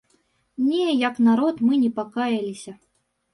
Не, як народ мы не пакаяліся.